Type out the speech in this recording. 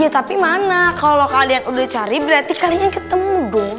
tapi mana kalau kalian udah cari berarti kalian ketemu bu